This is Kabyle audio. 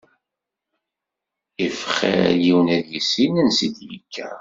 If xir yiwen ad yissin ansi id-yekka.